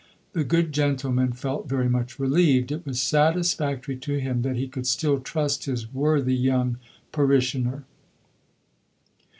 The good gentleman felt very much relieved. It was satisfactory to him that he could still trust his worthy young parishioner.